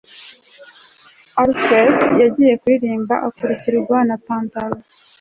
Orpheus yagiye kuririmba akurikirwa na pantaro